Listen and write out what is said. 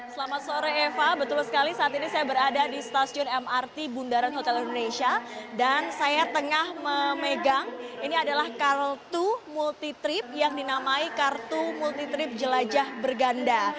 selamat sore eva betul sekali saat ini saya berada di stasiun mrt bundaran hotel indonesia dan saya tengah memegang ini adalah kartu multi trip yang dinamai kartu multi trip jelajah berganda